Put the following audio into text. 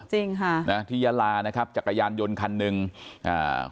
จริงค่ะนะที่ยาลานะครับจักรยานยนต์คันหนึ่งอ่า